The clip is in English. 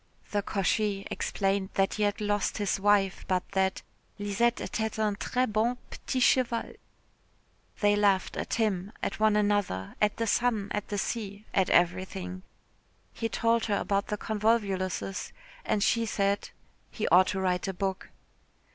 The cocher explained that he had lost his wife, but that "Lisette était un très bon petit cheval." They laughed at him, at one another, at the sun, at the sea, at everything. He told her about the convolvuluses, and she said he ought to write a book.